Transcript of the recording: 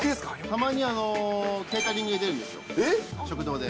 たまにケータリングで出るんですよ、食堂で。